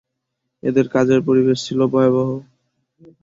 এদের কাজের পরিবেশ ছিল ভয়াবাহ।